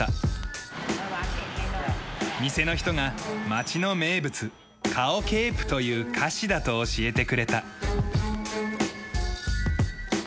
店の人が町の名物カオケープという菓子だと教えてくれた。